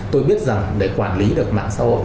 tôi biết rằng để quản lý được mạng xã hội